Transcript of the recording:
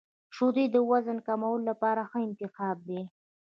• شیدې د وزن کمولو لپاره ښه انتخاب دي.